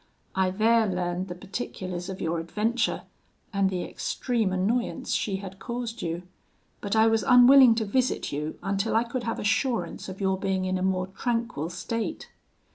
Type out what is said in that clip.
I there learned the particulars of your adventure, and the extreme annoyance she had caused you; but I was unwilling to visit you until I could have assurance of your being in a more tranquil state.'